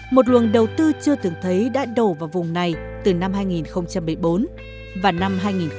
một luồng đầu tư chưa từng thấy đã đổ vào vùng này từ năm hai nghìn một mươi bốn và năm hai nghìn một mươi bảy